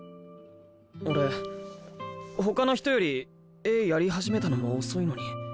俺ほかの人より絵やりはじめたのも遅いのに。